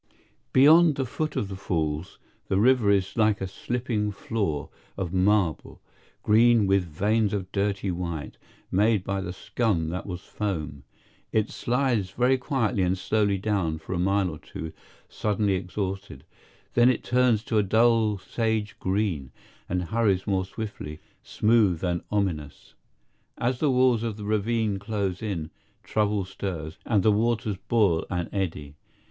Beyond the foot of the Falls the river is like a slipping floor of marble, green with veins of dirty white, made by the scum that was foam. It slides very quietly and slowly down for a mile or two, sullenly exhausted. Then it turns to a dull sage green, and hurries more swiftly, smooth and ominous. As the walls of the ravine close in, trouble stirs, and the waters boil and eddy.